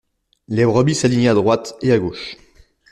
Les brebis s’alignaient à droite et à gauche.